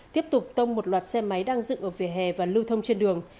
tiếp tục tông một loạt xe máy đang dựng ở vỉa hè và lưu thông trên đường